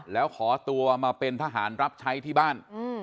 แล้วขอตัวมาเป็นทหารรับใช้ที่บ้าน